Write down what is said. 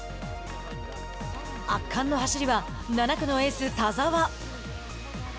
圧巻の走りは７区のエース田澤。